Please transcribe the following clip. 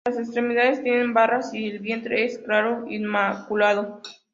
Las extremidades tienen barras y el vientre es claro inmaculado.